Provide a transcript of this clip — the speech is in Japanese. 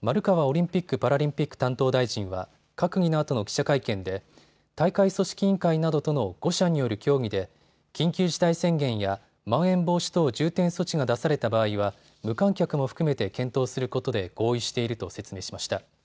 丸川オリンピック・パラリンピック担当大臣は閣議のあとの記者会見で大会組織委員会などとの５者による協議で緊急事態宣言やまん延防止等重点措置が出された場合は無観客も含めて検討することで合意していると説明しました。